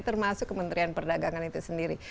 termasuk kementerian perdagangan itu sendiri